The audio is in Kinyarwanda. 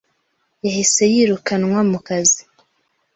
yahise yirukwana mu kazi